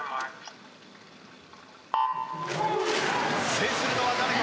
制するのは誰か？